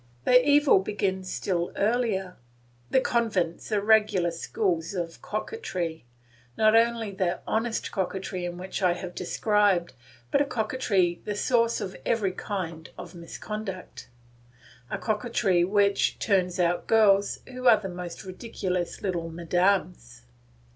The evil begins still earlier; the convents are regular schools of coquetry; not that honest coquetry which I have described, but a coquetry the source of every kind of misconduct, a coquetry which turns out girls who are the most ridiculous little madams.